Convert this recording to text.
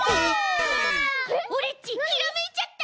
オレっちひらめいちゃった！